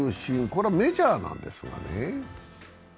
これはメジャーなんですがね。